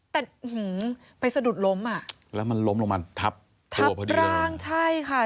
แต่หือไปสะดุดล้มอ่ะแล้วมันล้มลงมาทับตัวพอดีร่างใช่ค่ะ